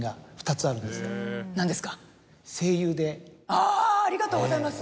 ありがとうございます。